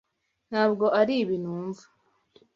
Ntabwo aribi numva.